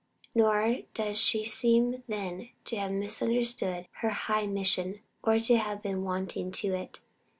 Nor does she seem then to have misunderstood her high mission, or to have been wanting to it.